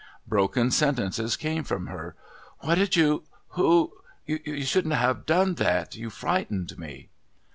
Broken sentences came from her: "What did you ? Who ? You shouldn't have done that. You frightened me."